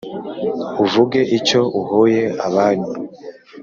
uvuge icyo uhoye abanyu,